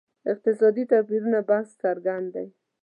اقتصادي توپیرونو بحث څرګند دی.